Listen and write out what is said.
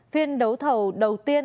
phiên đấu thầu đầu tiên